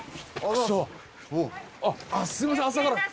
すいません朝から。